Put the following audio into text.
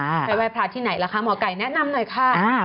ไปไหว้พระที่ไหนล่ะคะหมอไก่แนะนำหน่อยค่ะ